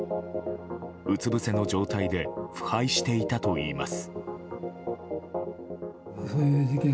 うつぶせの状態で腐敗していたといいます。